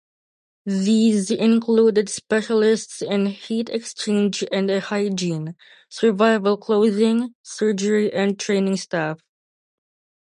These included specialists in heat exchange and hygiene, survival clothing, surgery, and training staff.